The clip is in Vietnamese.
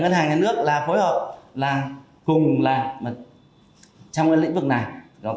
ngân hàng nhà nước là phối hợp là cùng là trong cái lĩnh vực này